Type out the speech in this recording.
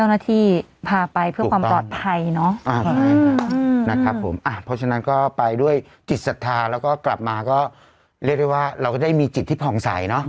เรื่องจิตศาสตร์แล้วก็กลับมาก็เบลเรียะว่าเราก็ได้มีจิตที่พ้องใสเนอะ